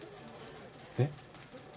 えっ？